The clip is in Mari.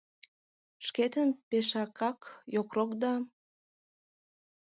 Шкетын пешакак йокрок да...